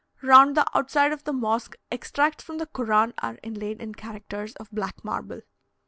Round the outside of the mosque extracts from the Koran are inlaid in characters of black marble.